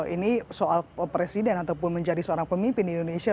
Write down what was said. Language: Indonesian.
ini soal presiden ataupun menjadi seorang pemimpin di indonesia